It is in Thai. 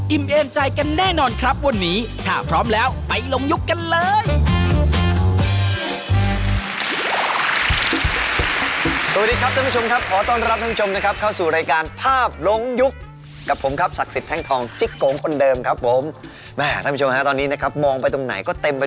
อิมเองจังหวัดอิมเองจังหวัด